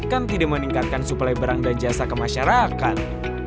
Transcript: kan tidak meningkatkan suplai berang dan jasa ke masyarakat